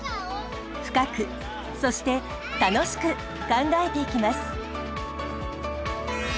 深くそして楽しく考えていきます。